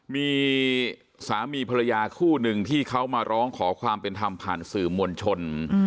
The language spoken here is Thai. มีสามีภรรยาคู่หนึ่งที่เขามาร้องขอความเป็นธรรมผ่านสื่อมวลชน